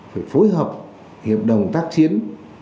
phải phối hợp hiệp đồng tác chiến